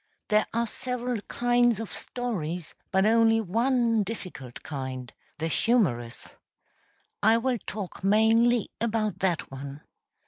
There are several kinds of stories, but only one difficult kind the humorous. I will talk mainly about that one.